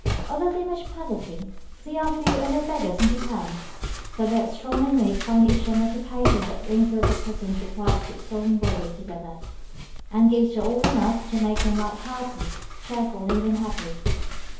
Although there is much poverty, there are few or no beggars in Japan, for both strong and weak find each some occupation that brings the little pittance required to keep soul and body together, and gives to all enough to make them light hearted, cheerful, and even happy.